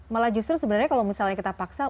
malah justru sebenarnya kalau misalnya kita paksa